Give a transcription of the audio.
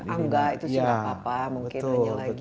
angga itu sudah apa apa mungkin hanya lagi